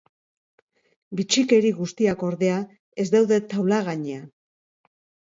Bitxikeri guztiak, ordea, ez daude taula gainean.